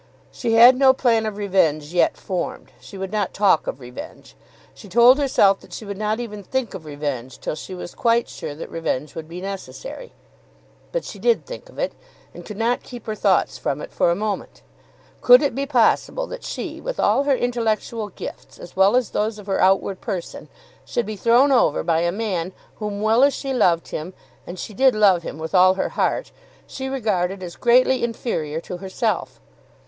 She had no plan of revenge yet formed. She would not talk of revenge, she told herself that she would not even think of revenge, till she was quite sure that revenge would be necessary. But she did think of it, and could not keep her thoughts from it for a moment. Could it be possible that she, with all her intellectual gifts as well as those of her outward person, should be thrown over by a man whom well as she loved him, and she did love him with all her heart, she regarded as greatly inferior to herself!